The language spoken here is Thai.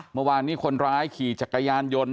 เมื่อวานนี้คนร้ายขี่จักรยานยนต์